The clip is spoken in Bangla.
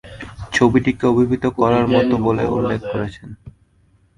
ছবিটিকে অভিভূত করার মত বলে উল্লেখ করেছেন।